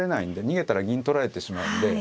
逃げたら銀取られてしまうので。